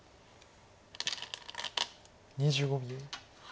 ２５秒。